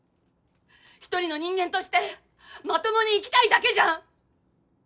１人の人間としてまともに生きたいだけじゃん。